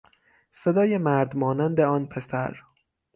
صدای مردمانند آن پسر